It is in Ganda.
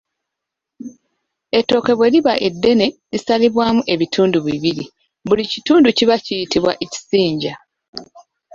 Ettooke bwe liba eddene lisalibwamu ebitundu bibiri; buli kitundu kiba kiyitibwa ekisinja.